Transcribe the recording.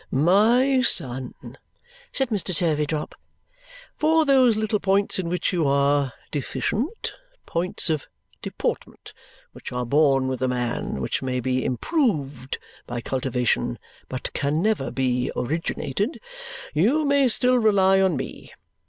"My son," said Mr. Turveydrop, "for those little points in which you are deficient points of deportment, which are born with a man, which may be improved by cultivation, but can never be originated you may still rely on me.